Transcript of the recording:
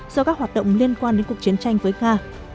do các hoạt động liên quan đến cuộc chiến tranh với nga